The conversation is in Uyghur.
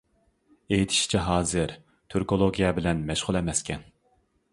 ئېيتىشىچە ھازىر تۈركولوگىيە بىلەن مەشغۇل ئەمەسكەن.